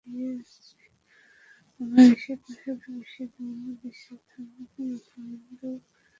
বাংলাদেশিদের পাশাপাশি বিশ্বের বিভিন্ন দেশের ধর্মপ্রাণ মুসলিমরাও কাসিনো পার্কে ঈদের নামাজ পড়েন।